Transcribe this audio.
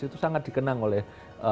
itu sangat dikenang oleh